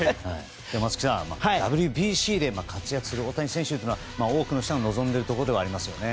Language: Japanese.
松木さん、ＷＢＣで活躍する大谷選手を多くの人が望んでいるところではありますよね。